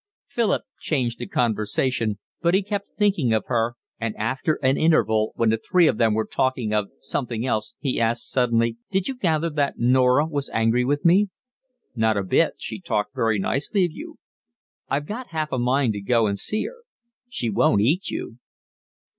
Philip changed the conversation, but he kept thinking of her, and after an interval, when the three of them were talking of something else, he asked suddenly: "Did you gather that Norah was angry with me?" "Not a bit. She talked very nicely of you." "I've got half a mind to go and see her." "She won't eat you."